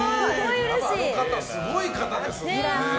あの方、すごい方ですね。